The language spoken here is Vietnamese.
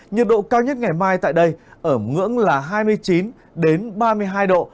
nhiệt độ cao nhất ngày mai tại đây ở ngưỡng là hai mươi chín ba mươi hai độ